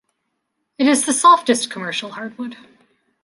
It is the softest commercial hardwood.